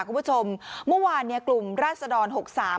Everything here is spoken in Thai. คุณผู้ชมเมื่อวานเนี่ยกลุ่มราศดรหกสาม